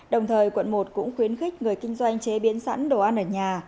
đồng thời quận một cũng khuyến khích người kinh doanh chế biến sẵn đồ ăn ở nhà